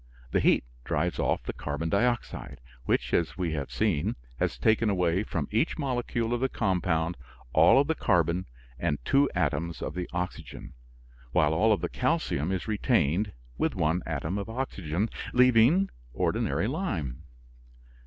The heat drives off the carbon dioxide, which, as we have seen, has taken away from each molecule of the compound all of the carbon and two atoms of the oxygen, while all of the calcium is retained with one atom of oxygen, leaving ordinary lime.